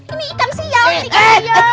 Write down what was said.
ini ikan siang